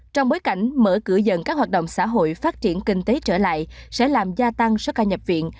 trong bối cảnh mở cửa dần các hoạt động xã hội phát triển kinh tế trở lại sẽ làm gia tăng số ca nhập viện